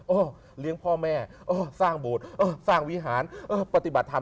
โอ้เลี้ยงพ่อแม่โอ้สร้างบทโอ้สร้างวิหารโอ้ปฏิบัติธรรม